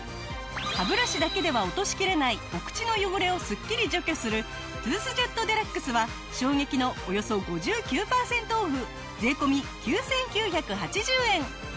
歯ブラシだけでは落としきれないお口の汚れをすっきり除去するトゥースジェットＤＸは衝撃のおよそ５９パーセントオフ税込９９８０円！